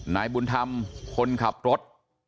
นายบุญธรรมคนขับรถ